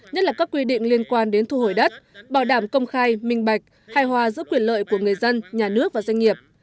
nhất là các quy định liên quan đến thu hồi đất bảo đảm công khai minh bạch hài hòa giữa quyền lợi của người dân nhà nước và doanh nghiệp